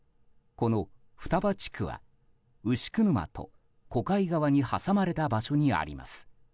この双葉地区は牛久沼と小貝川に挟まれた場所にあります。